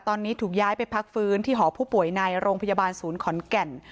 ตอนนี้ถูกย้ายไปพักฟื้นที่หอผู้ป่วยในโรงพยาบาลศูนย์ขอนแก่น